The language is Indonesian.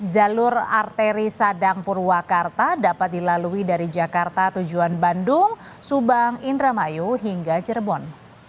jalur arteri sadang purwakarta dapat dilalui dari jakarta tujuan bandung subang indramayu hingga cirebon